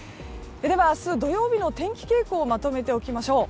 明日土曜日の天気傾向をまとめておきましょう。